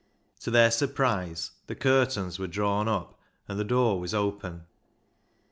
To their surprise, the curtains were drawn up and the door was open.